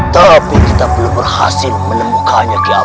tapi kita belum berhasil menemukannya kiamat